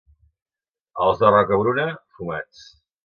Els de Rocabruna, fumats.